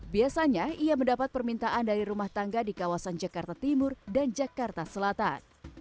biasanya ia mendapat permintaan dari rumah tangga di kawasan jakarta timur dan jakarta selatan